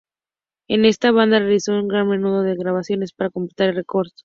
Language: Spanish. Con esta banda realizó un gran número de grabaciones para Contemporary Records.